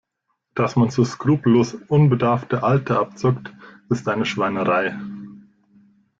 Dass man so skrupellos unbedarfte Alte abzockt, ist eine Schweinerei!